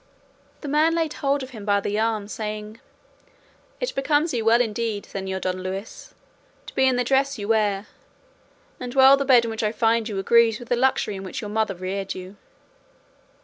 The man laid hold of him by the arm, saying, "It becomes you well indeed, Señor Don Luis, to be in the dress you wear, and well the bed in which I find you agrees with the luxury in which your mother reared you."